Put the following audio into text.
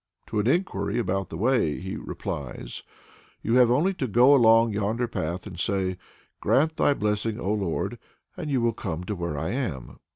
To an enquiry about the way, he replies, "You have only to go along yonder path and say, 'Grant thy blessing, O Lord!' and you will come to where I am."